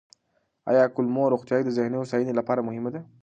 آیا کولمو روغتیا د ذهني هوساینې لپاره مهمه ده؟